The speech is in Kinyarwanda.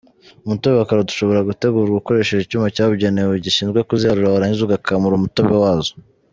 Umutobe wa karoti ushobora gutegurwa ukoresheje icyuma cyabugenewe, gishinzwe kuziharura, warangiza ugakamura umutobe wazo.